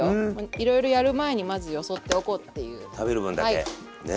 いろいろやる前にまずよそっておこうっていう食べる分だけね。